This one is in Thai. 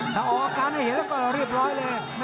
ถ้าออกอาการเฮียก็เรียบร้อยเลย